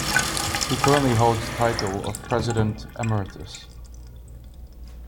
He currently holds the title of President Emeritus.